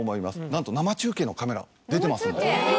なんと生中継のカメラ出てます